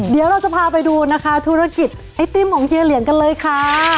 เดี๋ยวเราจะพาไปดูนะคะธุรกิจไอ้ติ้มของเฮียเหลียงกันเลยค่ะ